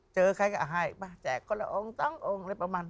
เจอใครก็ให้ป่ะแจกคนละองค์สององค์อะไรประมาณ